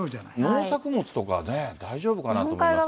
農作物とか大丈夫かなと思いますが。